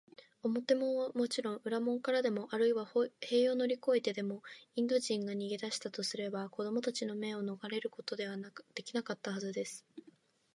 表門はもちろん、裏門からでも、あるいは塀を乗りこえてでも、インド人が逃げだしたとすれば、子どもたちの目をのがれることはできなかったはずです。